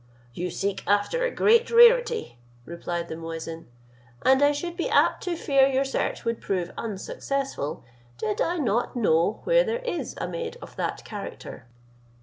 "You seek after a great rarity," replied the muezin; "and I should be apt to fear your search would prove unsuccessful, did I not know where there is a maid of that character.